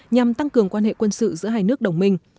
nhằm tăng cường quan hệ quân sự giữa hai nước đồng minh